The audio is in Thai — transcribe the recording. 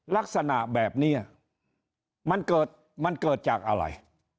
ลักษณะแบบนี้มันเกิดมันเกิดจากอะไร